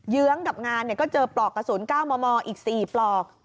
ื้องกับงานก็เจอปลอกกระสุน๙มมอีก๔ปลอก